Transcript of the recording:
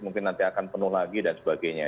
mungkin nanti akan penuh lagi dan sebagainya